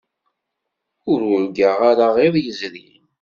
Ur urgaɣ ara iḍ yezrin.